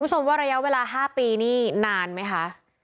ว่าระยะเวลา๕ปีนี่นานไหมคะ